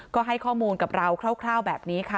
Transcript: ก็ให้ข้อมูลกับเราคร่าวแบบนี้ค่ะ